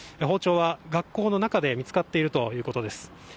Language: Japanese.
包丁は学校の中で見つかっているということです。